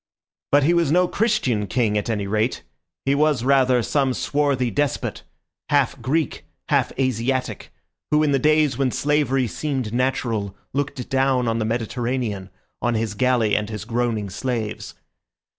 But he was no Christian king, at any rate; he was, rather, some swarthy despot, half Greek, half Asiatic, who in the days when slavery seemed natural looked down on the Mediterranean, on his galley and his groaning slaves.